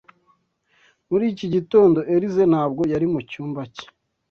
Muri iki gitondo, Elyse ntabwo yari mu cyumba cye.